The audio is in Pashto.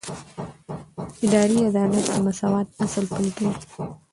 اداري عدالت د مساوات اصل پلي کوي.